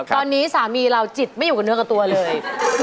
ตอนนี้สามีเราจิตไม่อยู่กับเนื้อกับตัวเลย